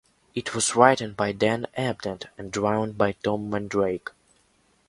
It was written by Dan Abnett and drawn by Tom Mandrake.